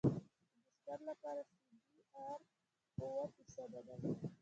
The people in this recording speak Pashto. د بستر لپاره سی بي ار اوه فیصده دی